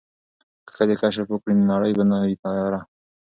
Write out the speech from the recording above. که ښځې کشف وکړي نو نړۍ به نه وي تیاره.